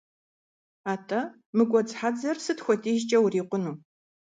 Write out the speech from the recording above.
АтӀэ, мы гуэдз хьэдзэр сыт хуэдизкӀэ урикъуну?